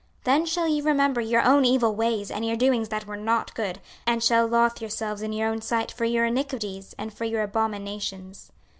26:036:031 Then shall ye remember your own evil ways, and your doings that were not good, and shall lothe yourselves in your own sight for your iniquities and for your abominations.